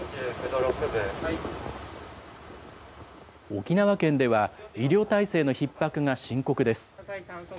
沖縄県では医療体制のひっ迫が深刻です。